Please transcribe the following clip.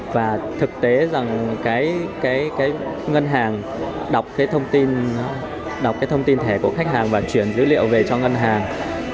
và thực tế rằng cái ngân hàng đọc cái thông tin thẻ của khách hàng và chuyển dữ liệu về cho ngân hàng